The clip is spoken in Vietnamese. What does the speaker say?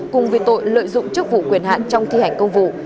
cùng với tội lợi dụng chức vụ quyền hạn trong thi hành công vụ